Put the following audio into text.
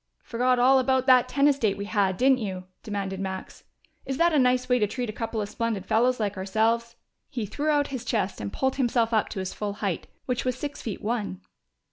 "Forgot all about that tennis date we had, didn't you?" demanded Max. "Is that a nice way to treat a couple of splendid fellows like ourselves?" He threw out his chest and pulled himself up to his full height, which was six feet one.